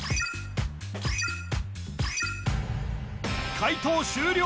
解答終了